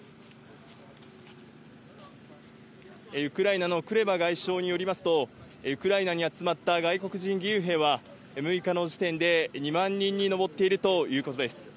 ウクライナのクレバ外相によりますと、ウクライナに集まった外国人義勇兵は、６日の時点で２万人に上っているということです。